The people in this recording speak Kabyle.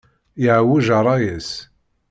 Yeɛwej rray-is.